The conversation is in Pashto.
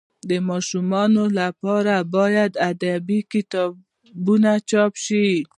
د ماشومانو لپاره باید ادبي کتابونه چاپ سي.